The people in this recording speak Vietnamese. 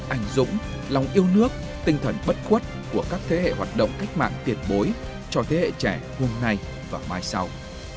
đối với những người tù yêu nước lòng yêu nước tinh thần bất khuất của các thế hệ hoạt động cách mạng tuyệt bối cho thế hệ trẻ hôm nay và mai sau